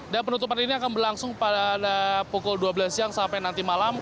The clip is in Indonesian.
dan penutupan ini akan berlangsung pada pukul dua belas siang sampai nanti malam